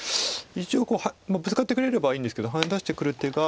一応ブツカってくれればいいんですけどハネ出してくる手が。